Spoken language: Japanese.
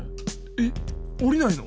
えっ？おりないの？